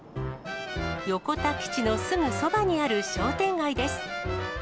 横田基地のすぐそばにある商店街です。